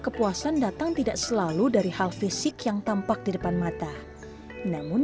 kepuasan datang tidak selalu dari hal fisik yang tampak di depan mata namun